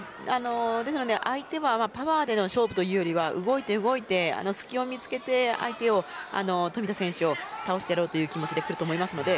相手はパワーでの勝負というよりは動いて隙を見つけて冨田選手を倒してやろうという気持ちできますので。